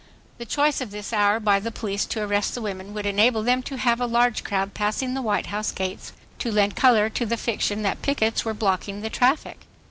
The choice of this hour by the police to arrest the women would enable them to have a large crowd passing the White House gates to lend color to the fiction that "pickets were blocking the traffic."